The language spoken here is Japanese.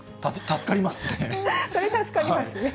助かりますね。